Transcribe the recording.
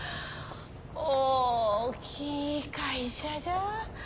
大きい会社じゃ。